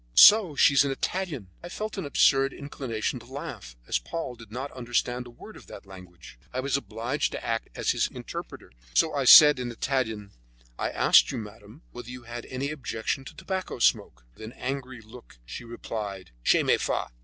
So she was an Italian! I felt an absurd inclination to laugh. As Paul did not understand a word of that language, I was obliged to act as his interpreter, so I said in Italian: "I asked you, madame, whether you had any objection to tobacco smoke?" With an angry look she replied, "Che mi fa!"